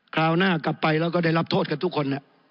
คราวหน้ากลับไปแล้วก็ได้รับโทษกันทุกคน